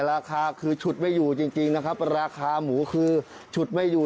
ราคาคือฉุดไม่อยู่จริงนะครับราคาหมูคือฉุดไม่อยู่